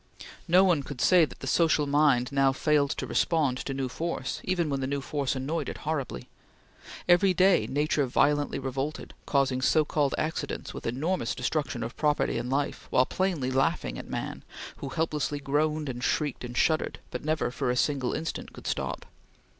No one could say that the social mind now failed to respond to new force, even when the new force annoyed it horribly. Every day Nature violently revolted, causing so called accidents with enormous destruction of property and life, while plainly laughing at man, who helplessly groaned and shrieked and shuddered, but never for a single instant could stop.